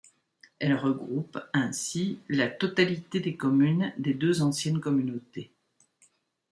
Elle regroupe ainsi la totalité des communes des deux anciennes communautés.